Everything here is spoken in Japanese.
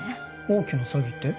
大きな詐欺って？